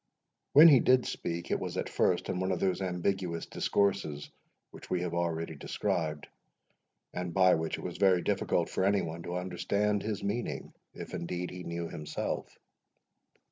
When he did speak, it was, at first, in one of those ambiguous discourses which we have already described, and by which it was very difficult for any one to understand his meaning, if, indeed, he knew himself.